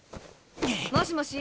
もしもし！